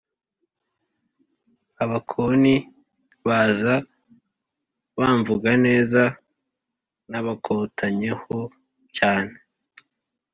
Abakoni baza bamvuga neza, nabakotanyeho cyane,